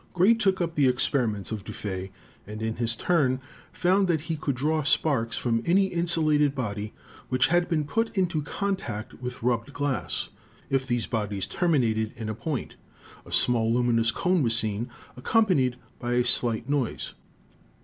"Gray took up the experiments of Dufay and in his turn found that he could draw sparks from any insulated body which had been put into contact with rubbed glass; if these bodies terminated in a point a small luminous cone was seen, accompanied by a slight noise.